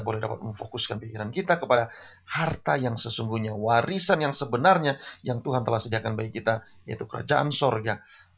biarlah kita dapat memfokuskan pikiran kita kepada harta yang sesungguhnya warisan yang sebenarnya yang tuhan telah sediakan bagi kita yaitu kerajaan sorga